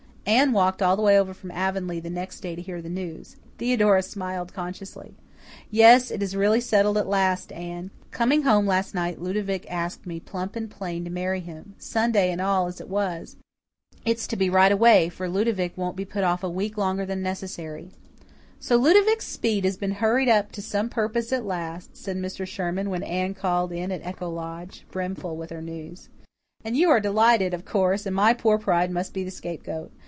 Anne walked all the way over from Avonlea the next day to hear the news. Theodora smiled consciously. "Yes, it is really settled at last, Anne. Coming home last night Ludovic asked me plump and plain to marry him, Sunday and all as it was. It's to be right away for Ludovic won't be put off a week longer than necessary." "So Ludovic Speed has been hurried up to some purpose at last," said Mr. Sherman, when Anne called in at Echo Lodge, brimful with her news. "And you are delighted, of course, and my poor pride must be the scapegoat.